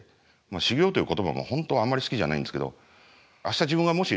修業という言葉も本当はあんまり好きじゃないんですけど。